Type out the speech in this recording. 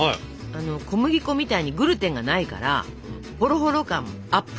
小麦粉みたいにグルテンがないからホロホロ感アップ！